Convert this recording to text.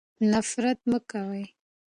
نفرت مه کوئ.